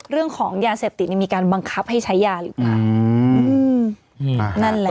เรื่องของยาเสพติดนี่มีการบังคับให้ใช้ยาหรือเปล่า